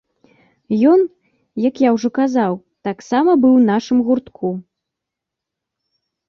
Ён, як я ўжо казаў, таксама быў у нашым гуртку.